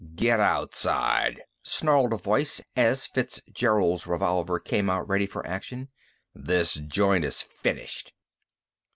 "Get outside!" snarled a voice as Fitzgerald's revolver came out ready for action. "This joint is finished!"